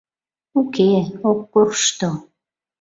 — Уке, ок коршто.